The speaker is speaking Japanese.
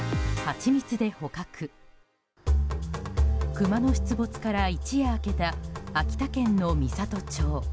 クマの出没から一夜明けた秋田県の美郷町。